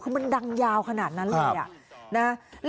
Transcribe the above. คือมันดังยาวขนาดนั้นเลยนะ